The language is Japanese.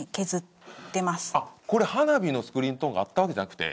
あっこれ花火のスクリーントーンがあったわけじゃなくて。